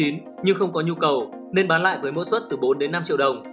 nhưng không có nhu cầu nên bán lại với mỗi suất từ bốn đến năm triệu đồng